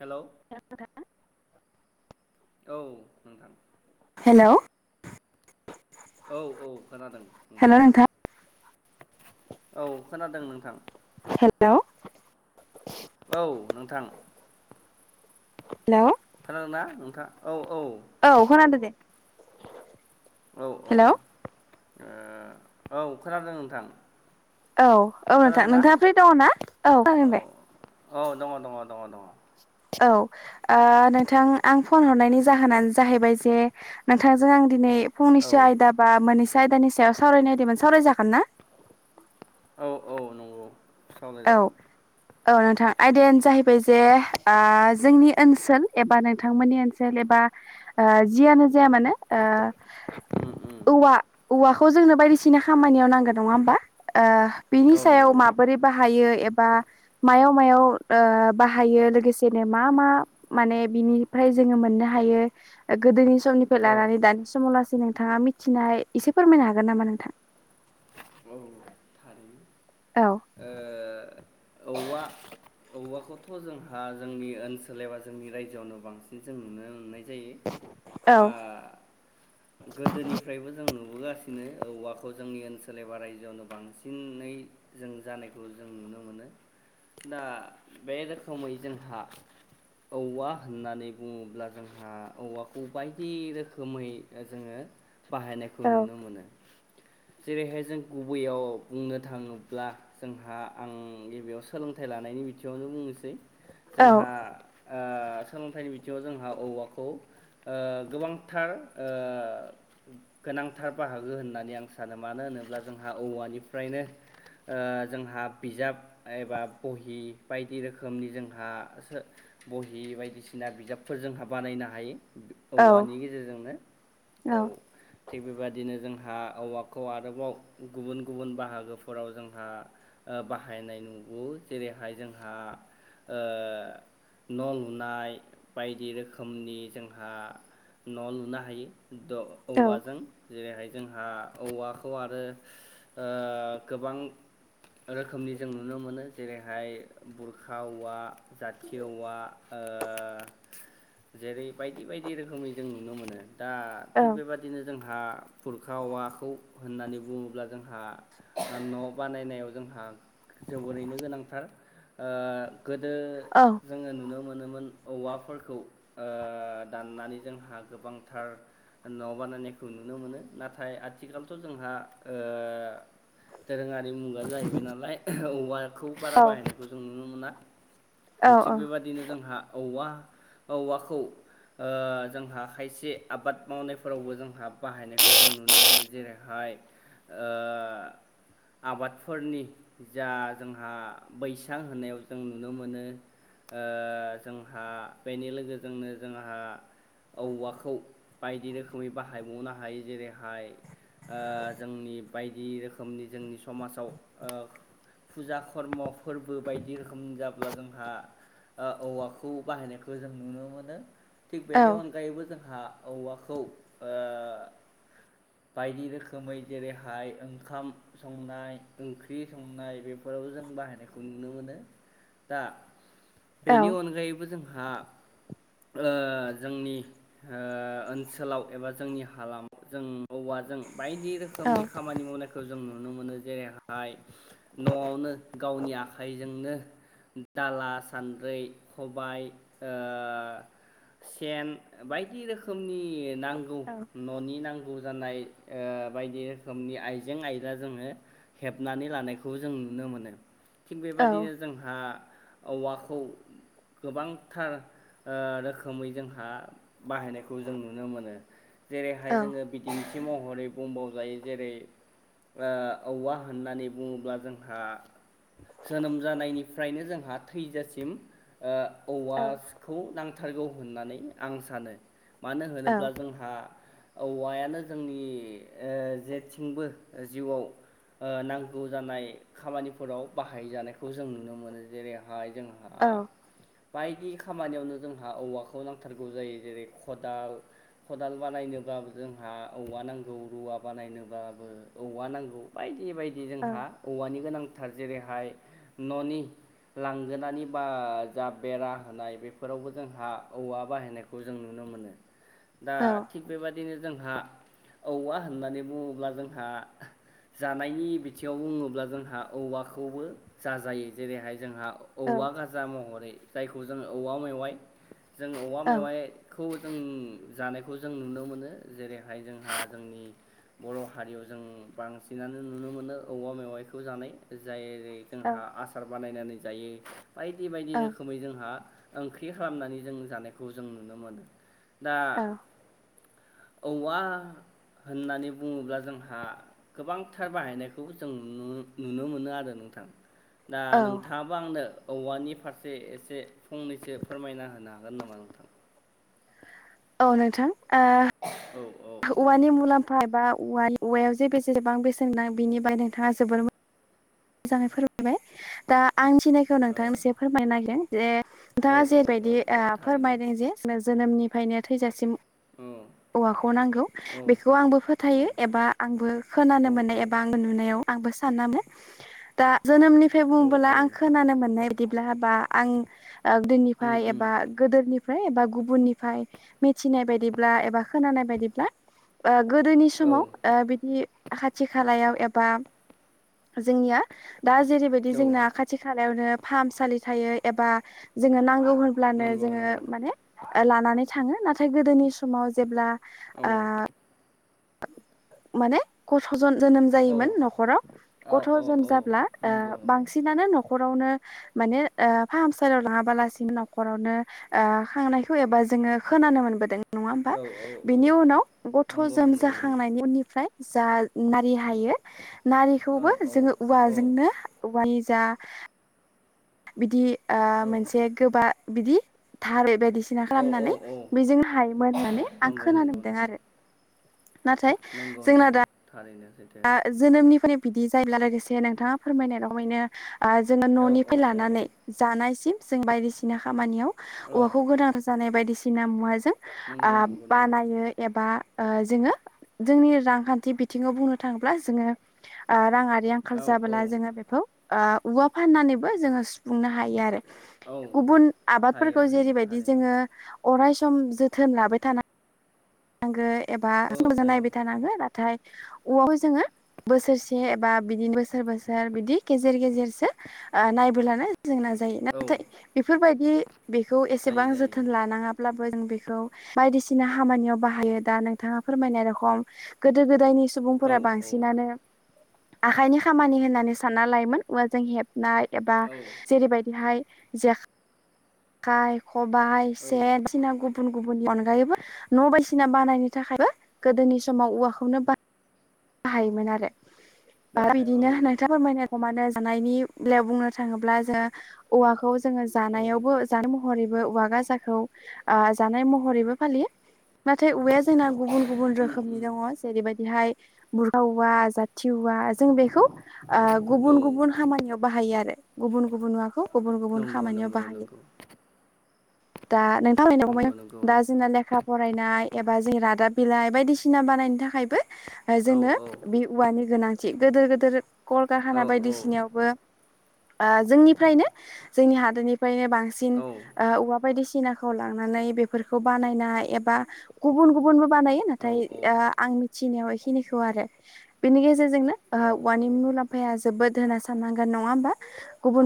हेल' औ नोंथां हेल' औ औ खोनादों उ हेलौ नोंथां औ खोनादों नोंथां हेल' औ नोंथां हेलौ खानादोंना नोंथां औ औ खोनादो दे। औ ओ हेलौ औ खोनादों नोंथां। औ औ नोंथां खोनादोंना नोंथाङा फ्रि दङ ना औ जा दे। औ दङ दङ दङ दङ। औ नोंथां आं फन हरनायनि जाहोनानो जाहैबाय जे नोंथांजों आं दिनै औ फंनैसो आयदा बा मोननैसो आयदानि सायाव सावरायनायदोंमोन सावराय जागोन ना? सावराय औ जागोन। औ नोंथां आयदायानो जाहैबाय जे जोंनि ओनसोल एबा नोंथांमोननि ओनसोल एबा जियानो जाया मानोे [unintelligible] औवाखौ जोंनो बायदिसिना खामानियाव नांगो नङा होमबा बिनि औ सायाव नंगौ माबोरै? [unintelligible] मायाव मायाव बाहायो लोगोसेनो मा मा माने बिनिफ्राय जोङो मोननो हायो गोदोनि समनिफ्राय औ लानानै दानि समाव लासै नोंथाङा मिथिनाय एसे फोरमायनो हागोन नामा नोंथां? औ थारैनो औ औवा औवाखौथ' जोंहा जोंनि ओनसोल एबा जोंनि रायजोआवनो बांसिन जों नुनो मोननाय जायो औ गोदोनिफ्रायबो जों नुबोगासिनो औवा जोंनि ओनसोल सोरनिबा रायजोआवनो बांसिनै जों जानायखौ जों नुनो मोनो। दा बे रोखोमै जोंहा औवा होननानै बुङोब्ला जोंहा औवाखौ बायदि रोखोमै जोङो बाहायनायखौ औ नुनो मोनो। जेरैहाय जों गुबैयाव बुंनो थाङोब्ला जोंहा आं गिबियाव सोलोंथाइ लानायनि बिथियावनो बुंनोसै औ जोंहा ओ [inaudible] सोलोंथाइनि बिथिङाव जोंहा औवाखौ गोबांथार गोनांथार बाहागो होननानै आं सानो मानो होनोब्ला जोंहा औवानिफ्रायनो जोंहा बिजाब एबा बहि बायदि रोखोमनि जोंहा बहि बायदिसिना बिजाबफोर जोंहा बानायनो हायो। औ औवानि गेजेरजोंनो औ थिग बेबादिनो जोंहा औवा खौ आरोबाव गुबुन गुबुन बाहागोफोराव जोंहा बाहायनाय नुगौ जेरै हाय जोंहा न' लुनाय बायदि रोखोमनि जोंहा न' लुनो हायो। द औ औवाजों जेरैहाय जोंहा औवाखौ आरो गोबां रोखोमनि जों नुनो मोनो। जेरैहाय बुरखा औवा जाथि औवा जेरै बायदि बायदि रोखोमनि जों नुनो मोनो दा थिग बेबादिनो जों हा फुरखा औवा खौ होननानै बुङोब्ला जोंहा न' बानायनायाव जोंहा जोबोरैनो गोनांथार गोदो औ जोङो नुनो मोनो। नोमोन औवाफोरखौ दाननानै जोंहा गोबांथार न' बानायनायखौ नुनो मोनो। नाथाय आथिखालथ' जोंहा दोरोङारि मुगा जाहैबाय नालाय औवा खौ बारा बाहायनायखौ जों नुनो मोना। औ थिग बेबादिनो जोंहा औवा औवाखौ जोंहा खायसे आबाद मावनायफोरावबो जोंहा बाहायनायखौ जों नुनो मोनो। जेरैहाय आबादफोरनि जा जोंहा बैसां होननायाव जों नुनो मोनो। जोंहा बेनि लोगोजोंनो जोंहा औवाखौ बायदि रोखोमै बाहायबावनो हायो जेरैहाय जोंनि बायदि रोखोमनि जोंनि समाजाव फुजा खर्म फोरबो बायदि रोखोम जाब्ला जोंहा औवाखौ बाहायनायखौ जों नुनो मोनो थिग बेनि अनगायैबो जोंहा औवाखौ बायदि रोखोमै जेरैहाय ओंखाम संनाय ओंख्रि संनाय बेफोराव जों बाहायनायखौ जों नुनो मोनो दा औ बेनि अनगायैबो जोंहा ओ जोंनि ओ ओनसोलाव एबा जोंनि हालामाव जों औवाजों बायदि रोखोमनि खामानि मावनायखौ जों नु नुनो मोनो जेरैहाय न'आवनो गावनि आखाइजोंनो दाला सान्द्रै खबाय ओ सेन बायदि रोखोमनि नांगौ न'नि नांगौ नांगौ जानाय ओ बायदि रोखोमनि आइजें आयला जोङो हेबनानै लानायखौ जों नु नुनो मोनो थिग बेबादिनो जोंहा औवाखौ गोबांथार ओ रोखोमै जोंहा बाहायनाय खौ जों नुनो मोनो जेरैहाय औ जोङो बिदिन्थि महरै बुंबाव जायो जेरै ओ औवा होननानै बुङोब्ला जोंहा जोनोम जानायनिफ्रायनो जोंहा थैजासिम ओ औवाखौ नांथारगौ होननानै आं सानो मानो होनोब्ला जोंहा औवायानो जोंनि ओ जेथिंबो जिउआव ओ नांगौ जानाय खामानिफोराव बाहाय जानायखौ जों नुनो मोनो जेरैहाय जोंहा बायदि खामानियावनो जोंहा औवाखौ नांथारगौ जायो जेरै खदाल खदाल बानायनोब्लाबो जोंहा औवा नांगौ रुवा बानायनोबाबो औवा नांगौ बाय बायदि बायदि जोंहा औवानि गोनांथार जेरैहाय न'नि लांगोनानि बा जा बेरा होनाय बेफोरावबो जोंहा औवा बाहायनायखौ जों नुनो मोन नुनो मोनो दा थिग बेबायदिनो जोंहा औवा होननानै बुङोब्ला जोंहा जानायनि बिथिङाव बुङोब्ला जोंहा औवाखौबो जाजायो जेरैहाय जोंहा औ औवा गाजा महरै जायखौ जोंङो औवा मेवाइ जों औवा औ मेवाइखौ जों जानायखौ जों नुनो मोनो जेरै हाय जोंहा जोंनि बर' हारियाव जों बांसिनानो नुनो मोनो औवा मेवायखौ जानाय जायै औ जोंहा आसार बानायनानै जायो बायदि बायदि औ रोखोमै जोंहा ओंख्रि खालामनानै जों जानायखौ जों नुनो मोनो दा औ औवा होननानै बुङोब्ला जोंहा गोबांथार बाहायनायखौ जों नु- नुनो मोनो आरो नोंथां दा औ नोंथाङाबो आंनो औवानि फारसे एसे फंनैसो फोरमायना होनो हागोन नामा नोंथां? औ नोंथां ओ औ औ औवा-औवायाव जे बेसेबां बेसेन [inaudible] नां बेनि बा [inaudible] नोंथाङा जोबोर मोजां मोजाङै फोरमायबाय दा आंनि थिनायखौ औ नोंथांनो इसे फोरमायनो नागिरदों जे औ नोंथाङा औ जेबायदि औ थारैनो फोरमायदों जे जोनोमनिफ्रायनो थैजासिम औ औवाखौ नांगौ औ बेखौ आंबो औ फोथायो एबा आंबो खोनानो औ मोननाय एबा आं नुनायाव आंबो स सान [inaudible] दा जोनोमनिफ्राय औ बुङबोला औ आं खोनानो मोननाय बादिब्ला बा आं उम गोदोनिफ्राय उम एबा गोदोनिफ्राय फ्राय एबा गुबनिनाय मिथिनाय बादिब्ला एबा खोनानाय बायदिब्ला ओ गोदोनि औ समाव ओ बिदि खाथि खालायाव एबा जोंनिया दा जेरैबायदि औ जोंना खाथि खालायावनो फाहामसालि थायो एबा जोंनो नांगौ गौ होनब्लानो नंगौ जोङो नंगौ माने लानानै थाङो नाथाय गोदोनि समाव जेब्ला औ माने कथ जोनोम औ जायोमोन न'खराव औ गथ' औ जोम औ जाब्ला नंगौ नंगौ बांसिनानो न'ख रावनो माने ओ फाहामसालियाव लाङाबालासिनो न'खरावनो ओ खांनायखौ एबा जो जोङो खोनानो मोनबोदों नङा होमबा औ औ औ बिनि उनाव गथ' नंगौ जोम नंगौ नंगौ जाखांनायनि उननिफ्राय जा नारि हायो औ नारिखौबो औ जोङो औ उवाजोंनो उवानि बिज जा बिदि ओ औ मोनसे गोबा बिदि थाराइ बादि औ औ खालामनानै औ बेजों हायोमोन होननानै आं नंगौ खोनानो नंगौ मोनदों नंगौ आरो नाथाय नंगौ जोंना नंगौ दा थारैनो सैथो दा जोनोमनिफ्राय बिदि जायोब्ला लोगोसे नोंथाङा फोरमायनाय रखमैनो ओ जोङो औ औ न'निफ्राय औ लानानै जानायसिम जों बायदिसिना खामानियाव औ औवाखौ गोनां जानाय बायदिसिना मुवाजों आ नंगौ नंगौ नंगौ बानायो एबा जोङो जोंनि रांखान्थि बिथिङाव बुंनो थाङोब्ला जोङो ओ राङारि आरि आंखाल औ औ जाबोला जोङो बेखौ औवा फाननानैबो जोङो सुफुंनो हायो आरो औ गुबुन हायो आबादफोरखौ हायो जेरैबायदि थारैनो जोङो अराय सम जोथोन लाबाय थानांगौ एबा औ मोजां औ नायबाय थानांगौ नाथाय औवाखौ जोङो बोसोरसे एबा बिदिनो बोसोर बोसोर बिदि गेजेर गेजेरसो नायबोलानो जोंना जायो औ नाथाय बेफोरबायदि बेखौ एसेबां जायो जायो जोथोन लानाङाब्ला बो बेखौ बायदिसिना खामानियाव बाहायो दा नोंथाङा फोरमायनाय रखम गोदो गोदायनि औ सुबुंफोरा औ बांसिनानो आखाइनि खामानि होननानै सानना लायोमोन औवाजों हेब नाय एबा औ जेरैबायदिहाय जेखाइ खबाइ औ सेन बायदिसिना गुबुन गुबुननि अनगायैबो न' बायदि सिना बानायनो थाखायबो गोदोनि समाव औवाखौनो बाहायोमोन आरो आरो बाहाय औ बिदिनो नोंथाङा नंगौ फोरमायनाय रखमानो जानायनि बेलायाव बुंनो थाङोब्ला जोङो औवाखौ जोङो औ जानायावबो जानाय महरै बो औवा गाजाखौ ओ जानाय महरैबो बाहायो नाथाय औवाया जोंना गुबुन गुबुन उम रोखोमनि उम दङ जेरैबायदिहाय बुरखा औवा जाथि औवा जों बेखौ औ गुबुन गुबुन खामानियाव बाहायो आरो गुबुन गुबुन मुवाखौ गुबुन गुबुन नंगौ खामानियाव नंगौ बाहायो [inaudible] नंगौ दा नंगौ नोंथां नंगौ [unintelligible] दा जोंना लेखा फरायनाय एबा जों रादाब बिलाइ बायदिसिना बानायनो थाखायबो औ जोंनो औ बे औवानि गोनां थि गिदिर गिदिर औ कलखारकाना औ बायदिसिनायावबो ओ जोंनिफ्रायनो जोंनि हादोरनिफ्रायनो बांसिन औ औवा बायदिसिनाखौ लानानै बेफोरखौ बानायनाय एबा गुबुन गुबुनबो बानायो नाथाय औ आं मिथिनायाव बेखिनिखौ आरो बेनि गेजेरजों जोंनो औवानि औ मुलाम्फाया जोबोद होना साननांगोन नङा होमबा गुबुन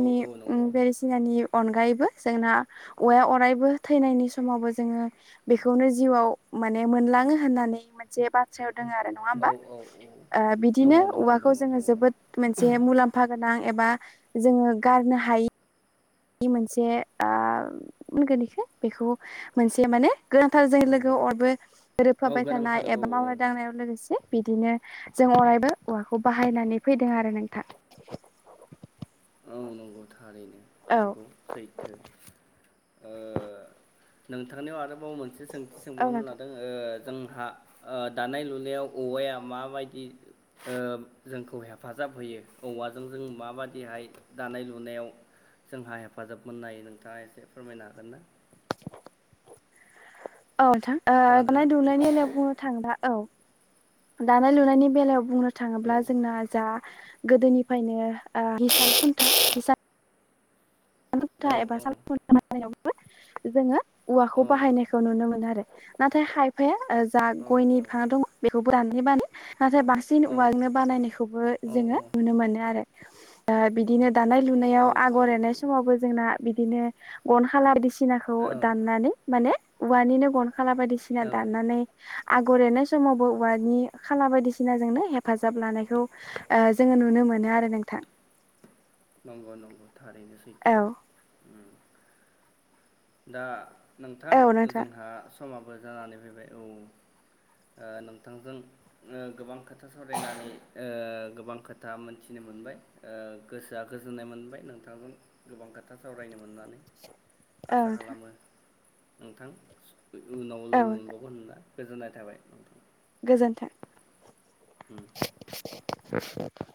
औ नंगौ बायदिसिनानि अनगायैबो जोंना औवाया अरायबो थैनायनि समावबो जोङो बेखौनो जिउआव माने मोनलाङो होननानै मोनसे बाथ्रायाव दं दङो आरो नङा औ होमबा औ दङ बिदिनो दङ दङ औवाखौ दङ जोङो जोबोद औ मोनसे मुलाम्फा गोनां एबा जोङो गारनो हायि बे मोनसे होनगोन बेखौ बेखौ मोनसे माने गोनांथार जों लोगोआव अरायबो औ गोरोबफाबाय थानाय गोनांथार औ एबा औ मावनाय दांनायाव लोगोसे बिदिनो जों अरायबो औवाखौ बाहायनानै फैदों आरो नोंथां औ नंगौ थारैनो औ नंगौ सैथो नोंथांनियाव आरो बाव मोनसे सोंथि औ सोंबावनो नोंथां लादों जोंहा ओ दानाय लुनायाव औवाया माबायदि जोंखौ हेफाजाब होयो औवाजों जों माबादिहाय दानाय लुनायाव जोंहा हेफाजाब मोननाय नोंथाङा एसे फोरमायनो हागोन ना? औ नोथां दानाय खोनादोंना लुनायनि नोंथां बेलायाव बुंनो थाङा औ दानाय लुनायनि बेलायाव बुंनो औ थाङोब्ला जोंना जा गोदोनिफ्रायनो [unintelligible] औ खुन्था एबा सालखुन्था बानायनायावबो जोङो औवाखौ औ बाहायनायखौ नुनो मोनो आरो नाथाय हायफाया जा औ गयनि बिफाङा दं बेखौबो दानहै बानो नाथाय बांसिन औवाजोंनो औ बानायनायखौबो औ जोङो औ नुनो मोनो आरो बिदिनो दानाय औ लुनायाव आगर एनाय जोंना बिदिनो गन खाला बायदिसिनाखौ औ दाननानै माने औवानिनो गन खाला बायदिसिना औ दाननानै आगर एरनाय समावबो औवानि खाला बायदिसिनाजोंनो हेफाजाब लानायखौ जोङो नुनो मोनो मोनो आरो नोंथां नंगौ नंगौ थारैनो औ सैथो दा नोंथां औ नोंथां जोंहा समाबो जानानै फैबाय औ नोंथांजों गोबां खोथा सावरायनानै गोबां खोथा मोनथिनो मोन मोनबाय गोसोआ गोजोननाय मोनबाय नोंथांजों गोबां खोथा सावरायनो मोननानै औ आसा नोंथां खालामो नोंथां उनाव औ लोगो मोनबावगोन होनना। गोजोननाय थाबाय नोंथां गोजोनथों उ [inaudible]